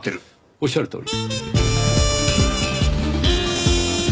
おっしゃるとおり。